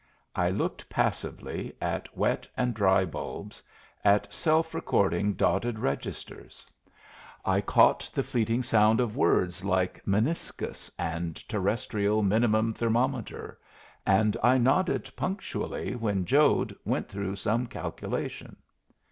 I looked passively at wet and dry bulbs, at self recording, dotted registers; I caught the fleeting sound of words like "meniscus" and "terrestrial minimum thermometer," and I nodded punctually when Jode went through some calculation.